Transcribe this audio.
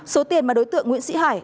số tiền mà đối tượng nguyễn sĩ hải